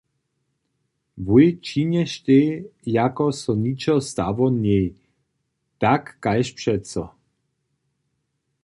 Wój činještej jako so ničo stało njej, tak kaž přeco.